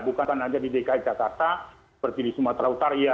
bukan hanya di dki jakarta seperti di sumatera utara